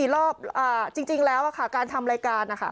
รอบจริงแล้วค่ะการทำรายการนะคะ